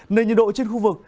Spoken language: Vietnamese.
nên nhiệt độ trên khu vực